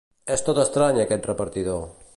És tot estrany aquest repartidor.